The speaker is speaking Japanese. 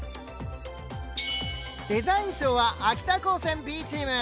デザイン賞は秋田高専Ｂチーム。